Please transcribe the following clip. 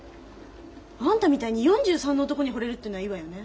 あんたみたいに４３の男にほれるっていうのはいいわよね。